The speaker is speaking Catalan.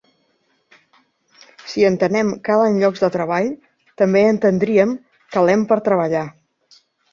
Si entenem "calen llocs de treball", també entendríem "calem per treballar".